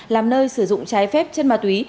làm nơi sử dụng trái phép chất ma túy